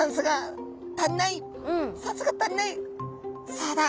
そうだ。